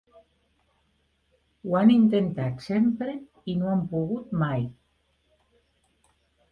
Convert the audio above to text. Ho han intentat sempre i no han pogut mai.